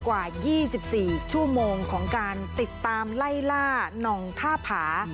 กว่า๒๔ชั่วโมงของการติดตามไล่ล่าน่องท่าผา